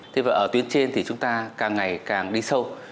thế và ở tuyến trên thì chúng ta càng ngày càng đi sâu